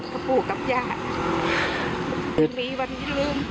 พระปู่กับย่าไม่มีวันนี้ลืม